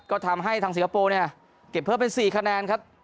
ก็ทำให้ทางสิงคโปร์เนี่ยเก็บเพิ่มเป็น๔คะแนนครับ